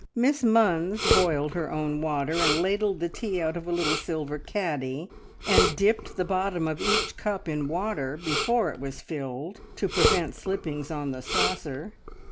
Miss Munns boiled her own water, and ladled the tea out of a little silver caddy, and dipped the bottom of each cup in water before it was filled to prevent slippings on the saucer.